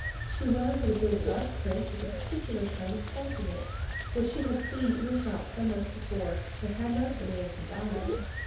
She wanted a bit of dark print with a particular kind of spot in it, which she had seen in the shop some months before, but had not been able to buy.